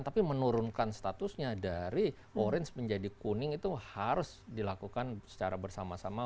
tapi menurunkan statusnya dari orange menjadi kuning itu harus dilakukan secara bersama sama